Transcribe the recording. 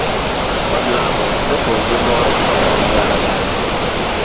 Od lamo nopong' gi mor koda sigalagala.